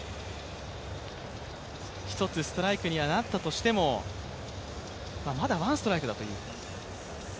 １つストライクにはなったとしてもまだワンストライクだと。